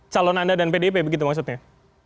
calon anda dan pdip begitu maksudnya